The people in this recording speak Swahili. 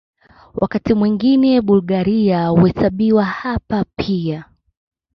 Wakati mwingine Bulgaria huhesabiwa hapa pia.